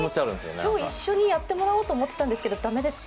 今日一緒にやりたいなと思っていたんですけどだめですか？